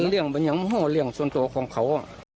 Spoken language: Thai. กฎเลี่ยงเป็นอย่างอย่างงามเลี่ยงส่วนตัวของเขา